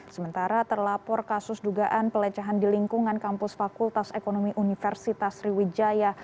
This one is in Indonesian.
sementara terlapor kasus dugaan pelecehan di lingkungan kampus fakultas ekonomi universitas sriwijaya